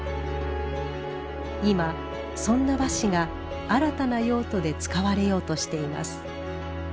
今そんな和紙が新たな用途で使われようとしています。